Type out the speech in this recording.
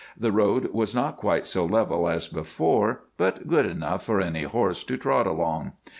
The road was not quite so level as before, but good enough for any horse to trot along.